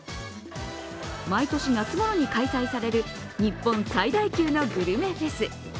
毎年夏頃に開催される日本最大級のグルメフェス